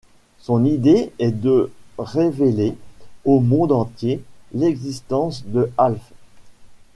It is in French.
Son idée est de révéler au monde entier l'existence de Alf.